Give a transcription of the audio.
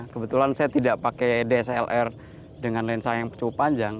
kebetulan saya tidak pakai dslr dengan lensa yang cukup panjang